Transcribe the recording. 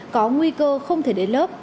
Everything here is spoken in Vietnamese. có nguy cơ không thể đến lớp